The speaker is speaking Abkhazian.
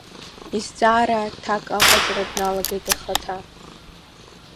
Изҵаара аҭак аҟаҵара дналагеит ихаҭа…